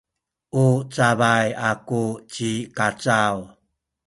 u cabay aku ci Kacaw.